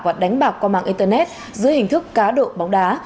và đánh bạc qua mạng internet dưới hình thức cá độ bóng đá